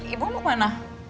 ibu lu kemana